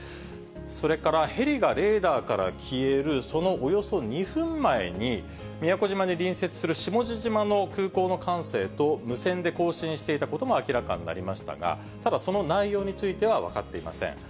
それからヘリがレーダーから消えるそのおよそ２分前に、宮古島に隣接する下地島の空港の管制と無線で交信していたことも明らかになりましたが、ただ、その内容については分かっていません。